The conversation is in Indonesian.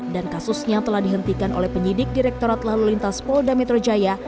dan kasusnya telah dihentikan oleh penyidik direkturat lalu lintas polda metro jaya